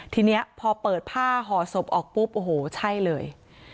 ทีนี้พอเปิดผ้าห่อศพออกปุ๊บโอ้โหใช่เลย